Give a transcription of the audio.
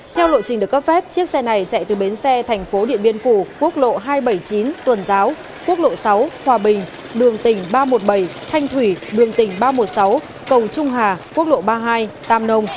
theo lộ trình được cấp phép chiếc xe này chạy từ bến xe thành phố điện biên phủ quốc lộ hai trăm bảy mươi chín tuần giáo quốc lộ sáu hòa bình đường tỉnh ba trăm một mươi bảy thanh thủy đường tỉnh ba trăm một mươi sáu cầu trung hà quốc lộ ba mươi hai tam nông